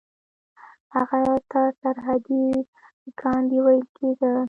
هغه ته سرحدي ګاندي ویل کیده.